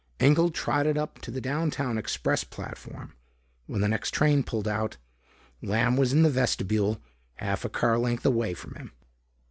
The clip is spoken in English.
Engel trotted up to the downtown express platform. When the next train pulled out, Lamb was in the vestibule, half a car length away from him.